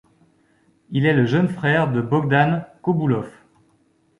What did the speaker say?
Il est le jeune frère de Bogdan Koboulov.